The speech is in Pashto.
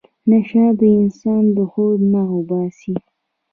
نشه انسان له خود نه اوباسي.